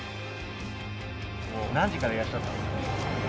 何時からいらっしゃったんですか？